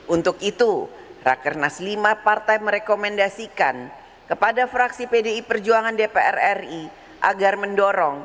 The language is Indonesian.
untuk itu rakernas lima partai merekomendasikan kepada fraksi pdi perjuangan dpr ri agar mendorong